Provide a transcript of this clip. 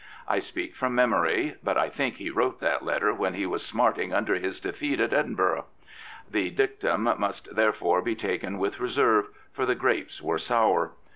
I speak from memory, but I think he wrote that letter when he was smarting under his defeat at Edinburgh. The dictum must therefore be taken with reserve, for the grapes were sour.